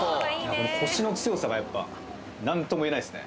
このコシの強さがやっぱ何ともいえないですね